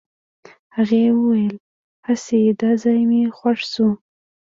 هغې وويل هسې دا ځای مې خوښ شو.